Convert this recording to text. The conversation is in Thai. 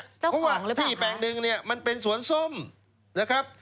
เจ้าของหรือเปล่าคะเพราะว่าที่แปลงนึงเนี้ยมันเป็นสวนส้มนะครับ